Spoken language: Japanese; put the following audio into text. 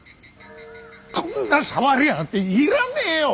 こんな触りやがって要らねえよ！